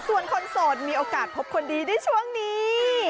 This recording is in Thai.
ส่วนคนโสดมีโอกาสพบคนดีในช่วงนี้